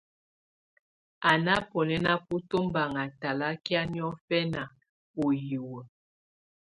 Á ná bunɛ́na bú tɔbaŋá talakɛ̀á niɔ̀fǝna ù hiwǝ́.